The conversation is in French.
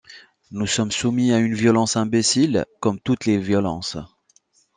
Nous sommes soumis à une violence imbécile, comme toutes les violences...